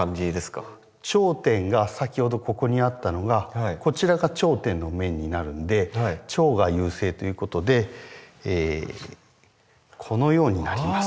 頂点が先ほどここにあったのがこちらが頂点の面になるんで頂芽優勢ということでこのようになります。